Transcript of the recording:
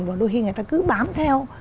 và đôi khi người ta cứ bám theo